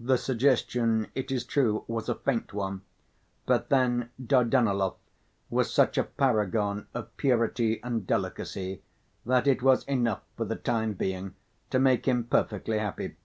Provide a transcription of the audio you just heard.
The suggestion, it is true, was a faint one, but then Dardanelov was such a paragon of purity and delicacy that it was enough for the time being to make him perfectly happy.